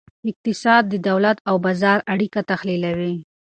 اقتصاد د دولت او بازار اړیکه تحلیلوي.